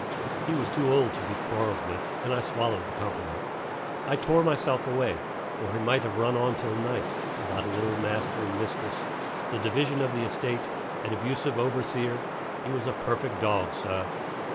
He was too old to be quarreled with, and I swallowed the compliment. I tore myself away, or he might have run on till night about his old master and mistress, the division of the estate, an abusive overseer ("he was a perfect dog, sah!")